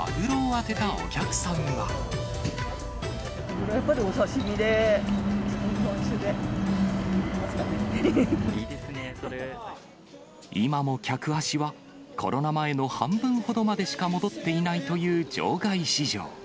見事、やっぱりお刺身で、今も客足は、コロナ前の半分ほどまでしか戻っていないという場外市場。